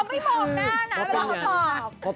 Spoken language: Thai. เพราะว่าใจแอบในเจ้า